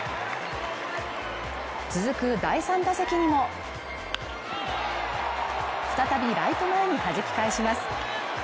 続く第３打席にも再びライト前に弾き返します。